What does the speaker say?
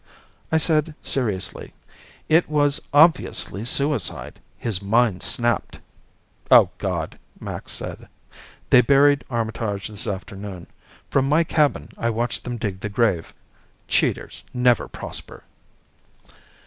I said seriously, "It was obviously suicide. His mind snapped." "Oh, God," Max said. They buried Armitage this afternoon. From my cabin, I watched them dig the grave. Cheaters never prosper.